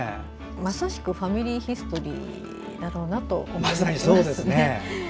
まさしく「ファミリーヒストリー」だなと思いますね。